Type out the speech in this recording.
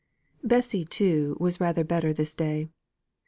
Bessy, too, was rather better this day.